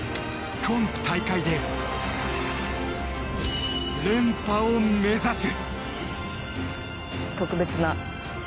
今大会で連覇を目指す。